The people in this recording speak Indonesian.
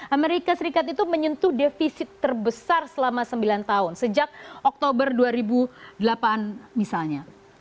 amerika serikat itu menyentuh defisit terbesar selama sembilan tahun sejak oktober dua ribu delapan misalnya